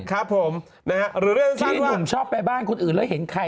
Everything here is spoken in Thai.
ทีนี้ผมชอบไปบ้านคนอื่นแล้วเห็นใคร